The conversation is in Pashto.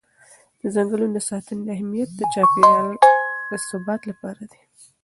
د ځنګلونو د ساتنې اهمیت د چاپېر یال د ثبات لپاره دی.